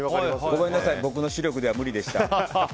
ごめんなさい僕の視力では無理でした。